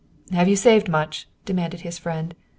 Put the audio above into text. "Have you saved much?" demanded his friend.